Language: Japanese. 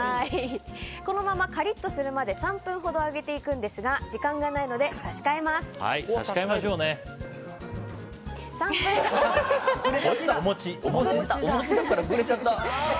このままカリッとするまで３分ほど揚げていくんですが差し替えましょうね。